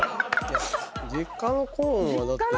実家のコーンはだって。